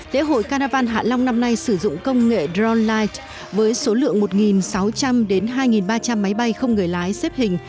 lễ hội carnival hạ long năm nay sử dụng công nghệ drone light với số lượng một sáu trăm linh hai ba trăm linh máy bay không người lái xếp hình